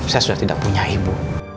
saya sudah tidak punya ibu